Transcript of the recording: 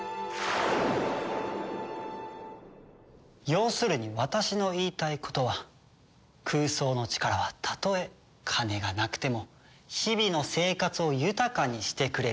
要するに私の言いたいことは空想の力はたとえ金がなくても日々の生活を豊かにしてくれるということだ。